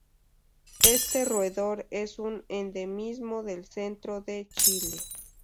Este roedor es un endemismo del centro de Chile.